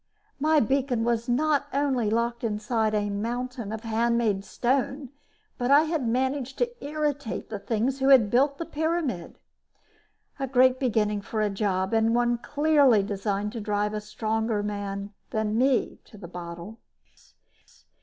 My beacon was not only locked inside a mountain of handmade stone, but I had managed to irritate the things who had built the pyramid. A great beginning for a job and one clearly designed to drive a stronger man than me to the bottle.